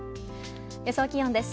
予想気温です。